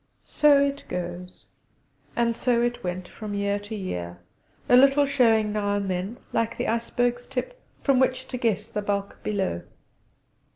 So it goes, and so it went, from year to year: a little showing now and then, like the iceberg's tip, from which to guess the bulk below.